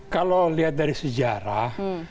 kalau lihat dari sejarah